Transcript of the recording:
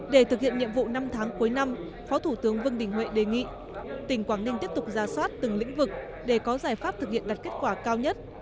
để thực hiện nhiệm vụ năm tháng cuối năm phó thủ tướng vương đình huệ đề nghị tỉnh quảng ninh tiếp tục ra soát từng lĩnh vực để có giải pháp thực hiện đạt kết quả cao nhất